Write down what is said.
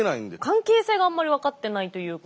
関係性があんまり分かってないというか。